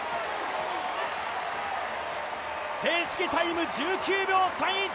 正式タイム１９秒３１。